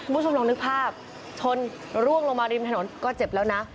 คุณผู้ชมลองนึกภาพชนร่วงลงมาริมถนนก็เจ็บแล้วนะ